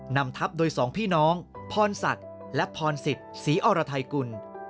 นำทัพโดยสองพี่น้องพรศักดิ์และพรศิษย์ศรีอรไทยกุล